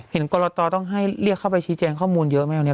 กรตต้องให้เรียกเข้าไปชี้แจงข้อมูลเยอะไหมวันนี้